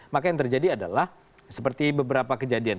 maka yang terjadi adalah seperti beberapa kejadian